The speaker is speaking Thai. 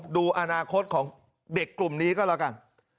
ดูอนาคตของเด็กกลุ่มนี้ก็แล้วกัน